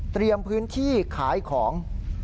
เตรียมพื้นที่ขายของ